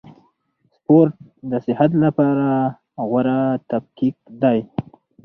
سپورټ د صحت له پاره غوره تفکیک دئ.